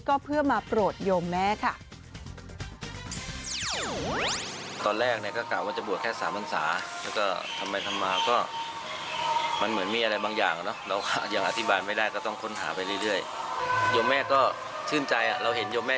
ก็เพื่อมาโปรดโยมแม่ค่ะ